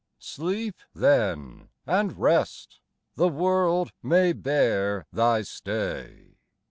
Sleep, then, and rest : the world may bear thy stay.